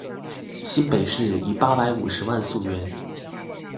新北市以八百五十萬溯源